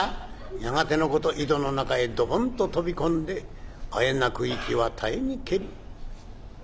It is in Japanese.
「やがてのこと井戸の中へドボンと飛び込んであえなく息は絶えにけり。